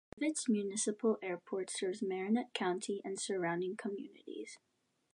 Crivitz Municipal Airport serves Marinette County and surrounding communities.